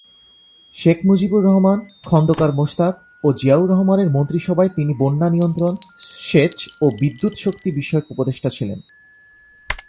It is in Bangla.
শেখ মুজিবুর রহমান, খন্দকার মোশতাক ও জিয়াউর রহমানের মন্ত্রিসভায় তিনি বন্যা নিয়ন্ত্রণ, সেচ ও বিদ্যুৎ শক্তি বিষয়ক উপদেষ্টা ছিলেন।